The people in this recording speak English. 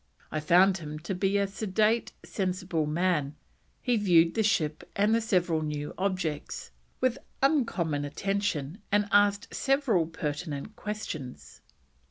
I found him to be a sedate, sensible man; he viewed the ship and the several new objects with uncommon attention, and asked several pertinent questions."